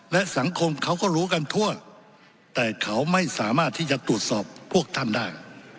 และสังคมเขาก็รู้กันทั่วแต่เขาไม่สามารถที่จะตรวจสอบพวกท่านได้